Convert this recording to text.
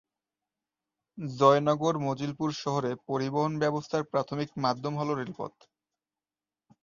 জয়নগর মজিলপুর শহরে পরিবহন ব্যবস্থার প্রাথমিক মাধ্যম হল রেলপথ।